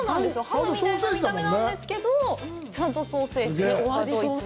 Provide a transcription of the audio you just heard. ハムみたいな見た目なんですけど、ちゃんとソーセージ。